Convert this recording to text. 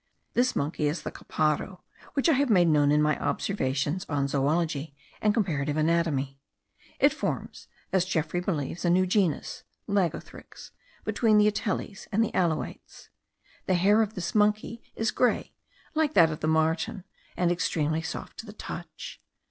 This monkey is the caparro, which I have made known in my Observations on Zoology and comparative Anatomy; it forms, as Geoffroy believes, a new genus (Lagothrix) between the ateles and the alouates. The hair of this monkey is grey, like that of the marten, and extremely soft to the touch.